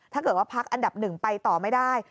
ถ้าเกิดว่าพักอันดับหนึ่งไปต่อไม่ได้